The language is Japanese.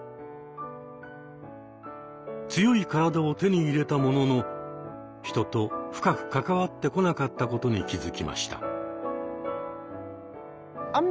強い体を手に入れたものの人と深く関わってこなかったことに気づきました。